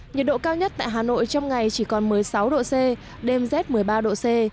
nhiệt độ cao nhất tại hà nội trong ngày chỉ còn một mươi sáu độ c đêm z một mươi ba độ c